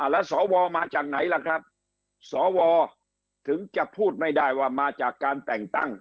แล้วสวมาจากไหนล่ะครับสวถึงจะพูดไม่ได้ว่ามาจากการแต่งตั้ง